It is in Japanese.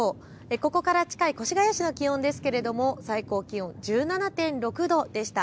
ここから近い越谷市の気温ですが最高気温１７．６度でした。